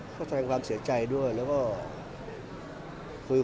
ก็แสดงความเสียใจด้วย